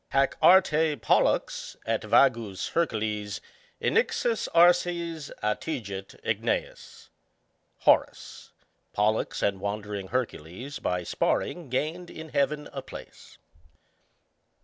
Hac Arte Pollux et vagus Hercules Innixus arces attigit igueas. ŌĆö Horace. Pollux and wandering Hercules by sparring gained in heaven a place.